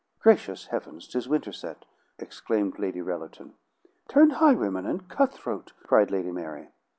"Gracious heavens, 'tis Winterset!" exclaimed Lady Rellerton. "Turned highwayman and cut throat," cried Lady Mary.